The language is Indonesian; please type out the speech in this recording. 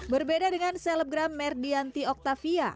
berbeda dengan selebgram merdianti oktavia